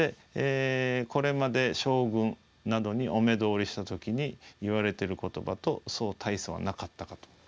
これまで将軍などにお目通りした時に言われてる言葉とそう大差はなかったかと。